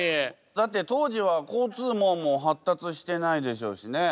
だって当時は交通網も発達してないでしょうしね。